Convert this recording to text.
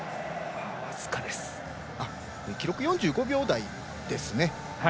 記録４５秒台ですね。